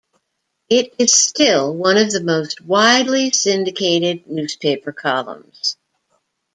It is still one of the most widely syndicated newspaper columns.